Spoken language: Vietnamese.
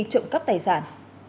trộm cắp tài sản